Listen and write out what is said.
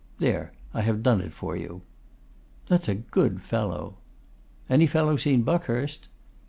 There, I have done it for you.' 'That's a good fellow.' 'Any fellow seen Buckhurst?